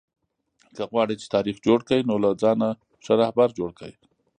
که غواړى، چي تاریخ جوړ کى؛ نو له ځانه ښه راهبر جوړ کئ!